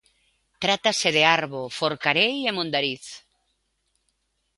Trátase de Arbo, Forcarei e Mondariz.